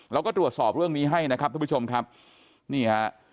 เราก็ตรวจสอบเรื่องนี้ให้นะครับทุกผู้ชมครับนี่ฮะ